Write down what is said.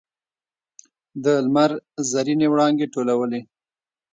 د لمر زرینې وړانګې ټولولې.